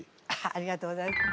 ありがとうございます。